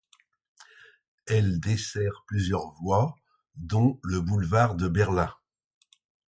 Elle dessert plusieurs voies dont le boulevard de Berlin.